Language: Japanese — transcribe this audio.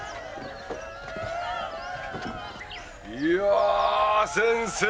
いや先生！